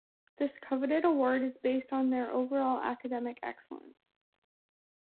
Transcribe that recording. This coveted award is based on their overall academic excellence.